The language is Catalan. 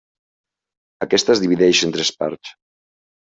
Aquesta es divideix en tres parts.